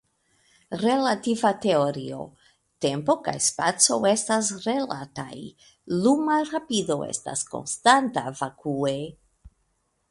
Relativa Teorio: Tempo kaj spaco estas relataj; luma rapido estas konstanta vakue.